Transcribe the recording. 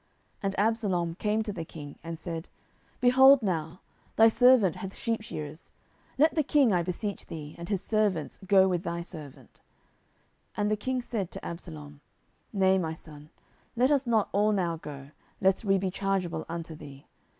10:013:024 And Absalom came to the king, and said, Behold now, thy servant hath sheepshearers; let the king, I beseech thee, and his servants go with thy servant. 10:013:025 And the king said to Absalom, Nay, my son, let us not all now go, lest we be chargeable unto thee.